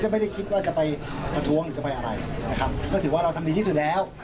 ไม่ได้คิดว่าจะไปประท้วงหรือจะไปอะไรนะครับก็ถือว่าเราทำดีที่สุดแล้ว